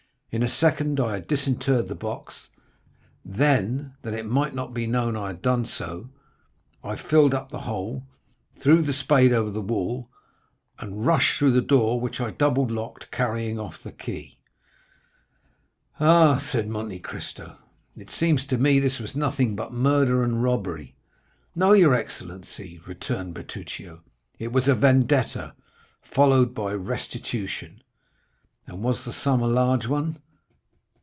In a second I had disinterred the box; then, that it might not be known I had done so, I filled up the hole, threw the spade over the wall, and rushed through the door, which I double locked, carrying off the key." "Ah," said Monte Cristo "it seems to me this was nothing but murder and robbery." "No, your excellency," returned Bertuccio; "it was a vendetta followed by restitution." "And was the sum a large one?"